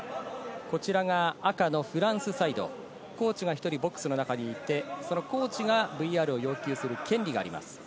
こちらが赤のフランスサイド、コーチが１人ボックスの中にいて、そのコーチがＶＲを要求する権利があります。